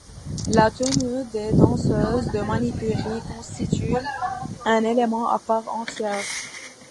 La tenue des danseuses de manipuri constitue un élément à part entière.